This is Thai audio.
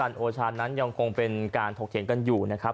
อาจารย์โชนท์นั้นยังคงเป็นการถกเขียนกันอยู่ละครับ